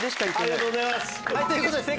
ありがとうございます。